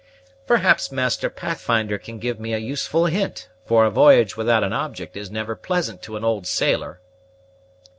"Perhaps Master Pathfinder can give me a useful hint; for a v'y'ge without an object is never pleasant to an old sailor."